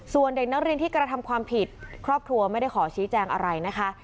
ส่วนเด็กนักเรียนที่กระทำความผิดครอบครัวไม่ได้ขอชี้แจงอะไรนะคะ